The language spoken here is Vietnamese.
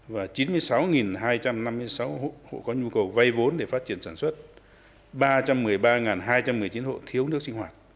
và chín mươi sáu hai trăm năm mươi sáu hộ có nhu cầu vay vốn để phát triển sản xuất ba trăm một mươi ba hai trăm một mươi chín hộ thiếu nước sinh hoạt